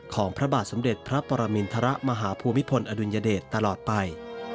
ของพระบาทสมเด็จพระปรมินทรมาฮภูมิพลอดุลยเดชตลอดไป